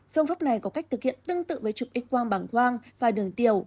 phương pháp này có cách thực hiện tương tự với chụp x quang bằng quang và đường tiểu